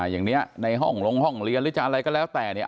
อย่างนี้ในห้องลงห้องเรียนหรือจะอะไรก็แล้วแต่เนี่ย